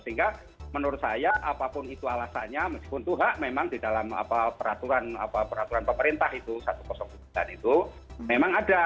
sehingga menurut saya apapun itu alasannya meskipun itu hak memang di dalam peraturan pemerintah itu satu ratus tujuh itu memang ada